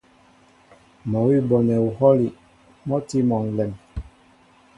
Mɔ́ awʉ́ a bonɛ uhwɔ́li mɔ́ a tí mɔ ǹlɛm.